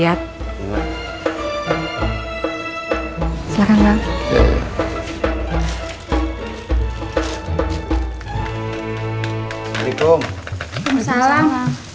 jadi sorrow untuk bu nurman